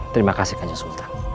terima kasih kan jangsunan